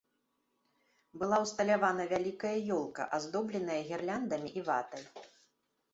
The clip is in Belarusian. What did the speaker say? Была ўсталявана вялікая ёлка, аздобленая гірляндамі і ватай.